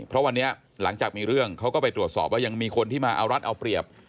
เพราะวันนี้หลังจากมีเรื่องเขาก็ไปตรวจสอบว่ายังมีคนที่มาเอารัฐเอาเปรียบ